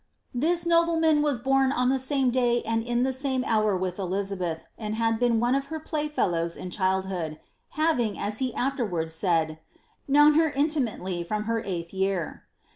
Thie nobleman was bom on the same day and in the sane hour with EUizabeth, and had been one of her playfellows in childhoodf having, as he afterwards said, ^ known her intimately from her eighth year.''